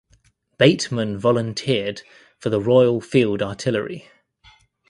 Bateman volunteered for the Royal Field Artillery.